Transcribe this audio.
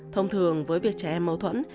thông thường với việc trẻ em mâu thuẫn